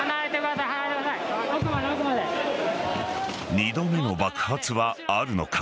２度目の爆発はあるのか。